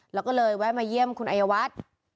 แล้วก็เลยแวะมาเยี่ยมคุณอายวัฒน์